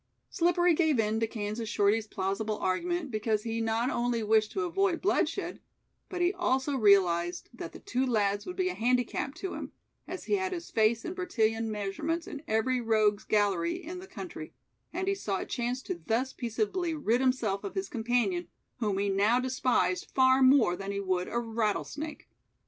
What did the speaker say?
Slippery gave in to Kansas Shorty's plausible argument because he not only wished to avoid bloodshed, but he also realized that the two lads would be a handicap to him, as he had his face and Bertillon measurements in every rogue's gallery in the country, and he saw a chance to thus peaceably rid himself of his companion, whom he now despised far more than he would a rattlesnake.